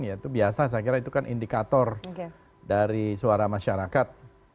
ya itu biasa saya kira itu kan indikator dari suara masyarakat